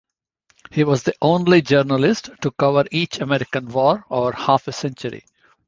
He was the only journalist to cover each American war over half a century.